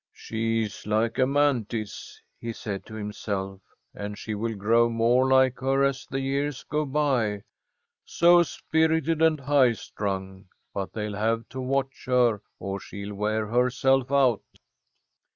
"She's like Amanthis," he said to himself. "And she will grow more like her as the years go by, so spirited and high strung. But they'll have to watch her, or she'll wear herself out."